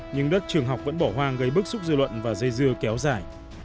nhưng đất trường học vẫn bỏ hoang gây bức xúc dư luận và dây dưa kéo dài